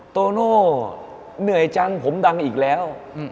โตโน่เหนื่อยจังผมดังอีกแล้ว